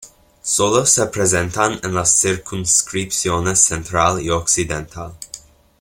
Sólo se presentan en las circunscripciones central y occidental.